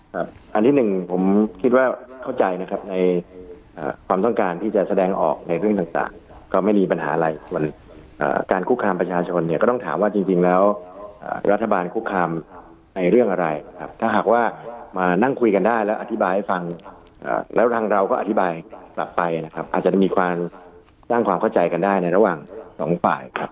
อันนี้หนึ่งผมคิดว่าเข้าใจนะครับในความต้องการที่จะแสดงออกในเรื่องต่างก็ไม่มีปัญหาอะไรส่วนการคุกคามประชาชนเนี่ยก็ต้องถามว่าจริงแล้วรัฐบาลคุกคามในเรื่องอะไรนะครับถ้าหากว่ามานั่งคุยกันได้แล้วอธิบายให้ฟังแล้วทางเราก็อธิบายกลับไปนะครับอาจจะมีความสร้างความเข้าใจกันได้ในระหว่างสองฝ่ายครับ